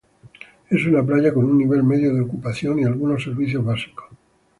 Es una playa con un nivel medio de ocupación y algunos servicios básicos.